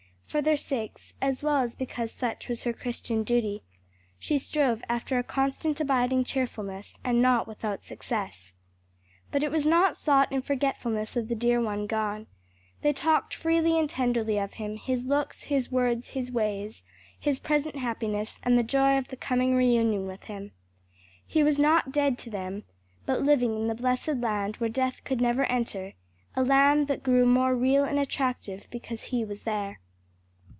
For their sakes, as well as because such was her Christian duty, she strove after a constant abiding cheerfulness; and not without success. But it was not sought in forgetfulness of the dear one gone. They talked freely and tenderly of him, his looks, his words, his ways; his present happiness and the joy of the coming reunion with him. He was not dead to them, but living in the blessed land where death could never enter, a land that grew more real and attractive because he was there.